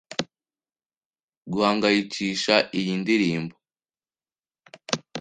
guhagarikisha iyi ndirimbo